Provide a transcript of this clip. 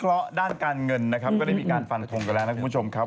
เพราะด้านการเงินนะครับก็ได้มีการฟันทงกันแล้วนะคุณผู้ชมครับ